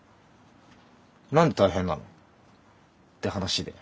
何で大変なの？って話で。